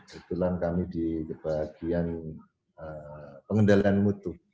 kebetulan kami di bagian pengendalian mutu